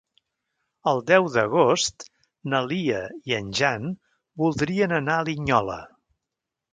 El deu d'agost na Lia i en Jan voldrien anar a Linyola.